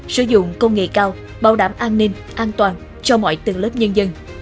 sử dụng công nghệ cao bảo đảm an ninh an toàn cho mọi tầng lớp nhân dân